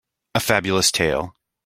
A Fabulous tale.